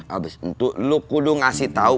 abis untuk lo kudu ngasih tau